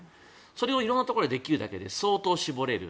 それを色んなところでできるだけで相当絞れる。